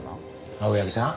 青柳さん